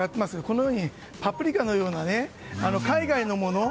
こうしたパプリカのような海外のもの